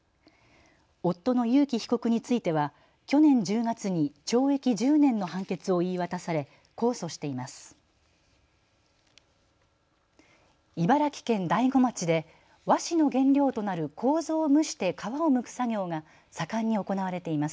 夫の裕喜被告については去年１０月に懲役１０年の判決を言い渡され控訴しています。